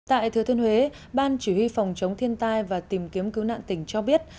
tại thừa thiên huế ban chỉ huy phòng chống thiên tai và tìm kiếm cứu nạn tỉnh cho biết